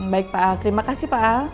baik pak al terima kasih pak al